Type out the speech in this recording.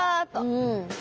うん。